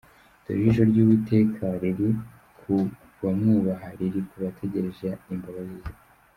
Dore ijisho ry’Uwiteka riri ku bamwubaha, Riri ku bategereza imbabazi ze.